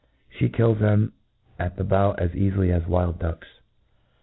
• She kills them at the bout as eafily as wild ducks.